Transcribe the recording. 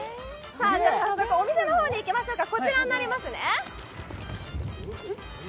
こちらお店の方にいきましょうか。